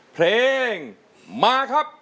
เพลงมาครับ